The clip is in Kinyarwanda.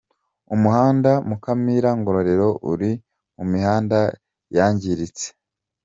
Umuhanda Mukamira - Ngororero uri mu mihanda yangiritse.